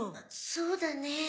そうだね。